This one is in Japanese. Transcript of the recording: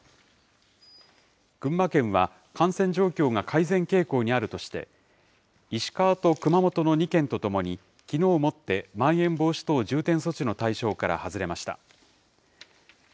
群馬県は、感染状況が改善傾向にあるとして、石川と熊本の２県と共に、きのうをもってまん延防止等重点措置の対象から外れました。